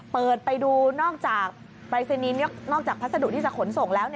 เปิดไปดูนอกจากผัสดุที่จะขนส่งแล้ว